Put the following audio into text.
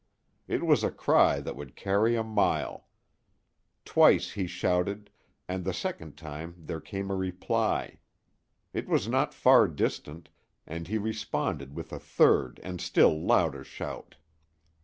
It was a cry that would carry a mile. Twice he shouted, and the second time there came a reply. It was not far distant, and he responded with a third and still louder shout.